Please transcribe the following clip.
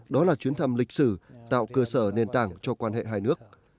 đó là chuyến thăm lịch sử tạo cơ sở nền tảng cho quan hệ hai nước